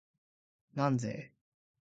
なんぜ？